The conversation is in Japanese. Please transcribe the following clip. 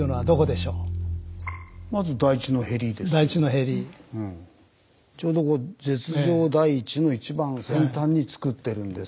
ちょうど舌状台地の一番先端につくってるんですよ。